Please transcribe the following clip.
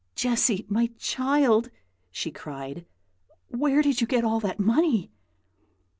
"Jessy, my child!" she cried, "where did you get all that money?"